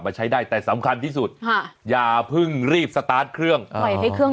มาใช้ได้แต่สำคัญที่สุดอย่าเพิ่งรีบขึ้นเครื่องให้เครื่อง